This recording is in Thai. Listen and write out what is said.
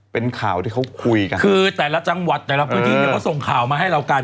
เป็นข่าวที่เขาคุยกันคือแต่ละจังหวัดแต่ละพื้นที่เนี่ยเขาส่งข่าวมาให้เรากัน